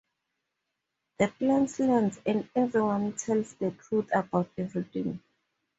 The plans lands and everyone tells the truth about everything.